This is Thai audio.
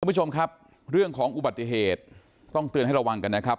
คุณผู้ชมครับเรื่องของอุบัติเหตุต้องเตือนให้ระวังกันนะครับ